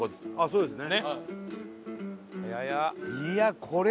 そうですね。